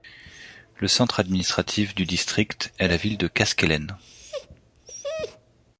Le centre administratif du district est la ville de Kaskelen.